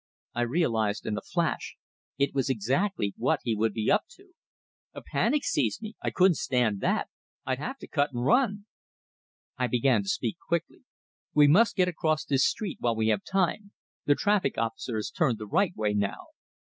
I realized in a flash it was exactly what he would be up to! A panic seized me; I couldn't stand that; I'd have to cut and run! I began to speak quickly. "We must get across this street while we have time; the traffic officer has turned the right way now."